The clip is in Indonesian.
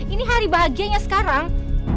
ini hari bahagianya sekarang